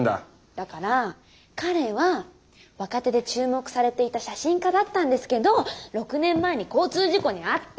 だから彼は若手で注目されていた写真家だったんですけど６年前に交通事故に遭って。